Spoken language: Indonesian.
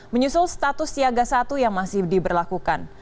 menyusul status siaga satu yang masih diberlakukan